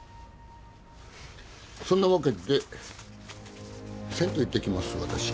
そんなわけで銭湯行ってきます私。